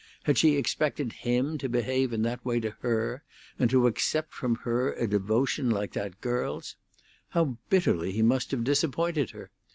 Had she expected him to behave in that way to her, and to accept from her a devotion like that girl's? How bitterly he must have disappointed her!